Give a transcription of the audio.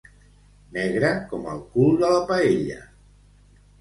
Negre com el cul de la paella.